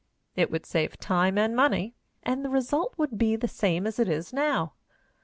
It would save time and money, and the result would be the same as it is now.